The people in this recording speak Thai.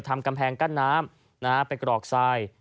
ทำกำแพงกั้นน้ำไปกรอกทราย